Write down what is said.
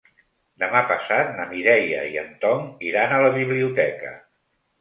Demà passat na Mireia i en Tom iran a la biblioteca.